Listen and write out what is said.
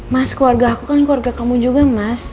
mas keluarga aku kan keluarga kamu juga mas